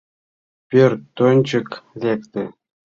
Пӧртӧнчык лекте.